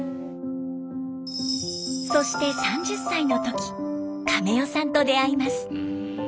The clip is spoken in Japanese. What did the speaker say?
そして３０歳の時カメ代さんと出会います。